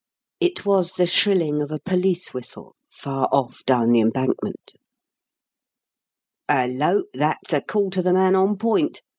It was the shrilling of a police whistle, far off down the Embankment. "Hullo! That's a call to the man on point!"